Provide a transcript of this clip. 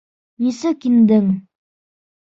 — Нисек индең?